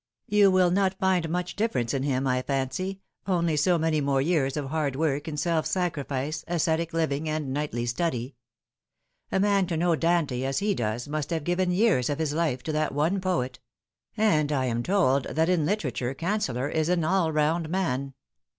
You will not find much difference in him, I fancy only so many more years of hard work and self sacrifice, ascetic living and nightly study. A man to know Dante as he does must have given years of his life to that one poet and I am told that in literature Cancellor is an all round man.